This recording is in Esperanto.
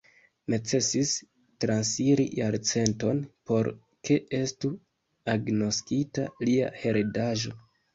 Necesis transiri jarcenton por ke estu agnoskita lia heredaĵo.